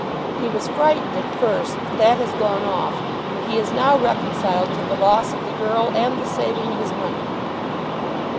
He was frightened at first; but that has gone off, and he is now reconciled to the loss of the girl and the saving of his money."